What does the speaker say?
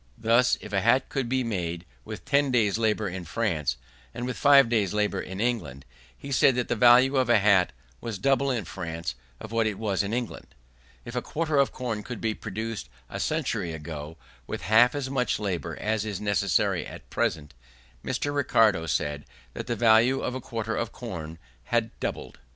Thus, if a hat could be made with ten days' labour in France and with five days' labour in England, he said that the value of a hat was double in France of what it was in England. If a quarter of corn could be produced a century ago with half as much labour as is necessary at present, Mr. Ricardo said that the value of a quarter of corn had doubled. Mr.